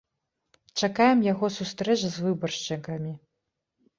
Чакаем яго сустрэч з выбаршчыкамі!